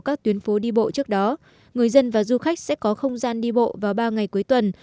các tuyến phố đi bộ trước đó người dân và du khách sẽ có không gian đi bộ vào ba ngày cuối tuần